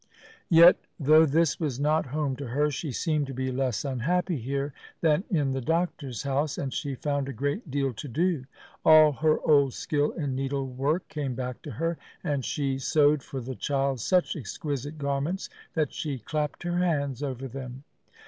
Yet though this was not home to her, she seemed to be less unhappy here than in the doctor's house, and she found a great deal to do. All her old skill in needlework came back to her, and she sewed for the child such exquisite garments that she clapped her hands over them.